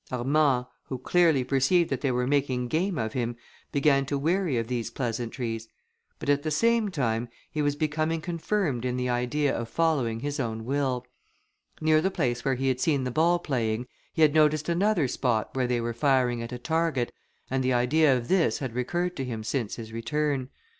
Armand, who clearly perceived that they were making game of him, began to weary of these pleasantries; but at the same time, he was becoming confirmed in the idea of following his own will. Near the place where he had seen the ball playing, he had noticed another spot where they were firing at a target, and the idea of this had recurred to him since his return.